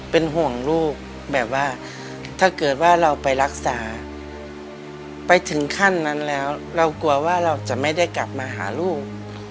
เป็นห่วงลูกแบบว่าถ้าเกิดว่าเราไปรักษาไปถึงขั้นนั้นแล้วเรากลัวว่าเราจะไม่ได้กลับมาหาลูก